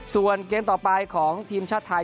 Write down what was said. ส่วนเกมต่อไปของทีมชาติไทย